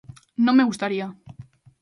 _Non me gustaría...